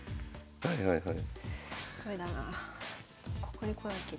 はいはいはい。